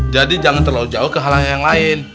jadi jangan terlalu jauh ke hal yang lain